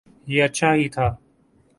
یہ اچھا ہی تھا۔